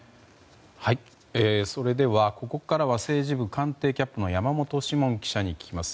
それでは、ここからは政治部官邸キャップの山本志門記者に聞きます。